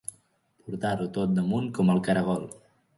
Portar-ho tot damunt com el caragol.